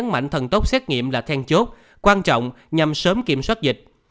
mảnh thần tốt xét nghiệm là then chốt quan trọng nhằm sớm kiểm soát dịch